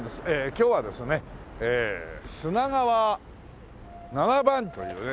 今日はですね砂川七番というね